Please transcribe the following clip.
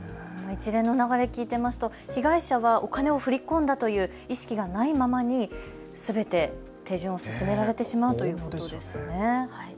一連の流れ、聞いていると、被害者はお金を振り込んだという意識がないままにすべて手順を進められてしまうということなんですね。